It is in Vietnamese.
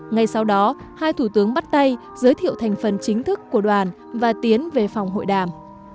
ngay sau đó hai thủ tướng bắt tay giới thiệu thành phần chính thức của đoàn và tiến về phòng hội đàm